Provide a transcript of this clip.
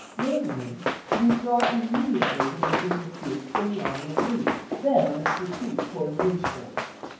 namely, to withdraw immediately the Virginia troops from the army of Lee, then on its retreat towards Lynchburg.